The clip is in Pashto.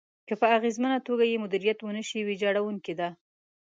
که په اغېزمنه توګه يې مديريت ونشي، ويجاړونکې ده.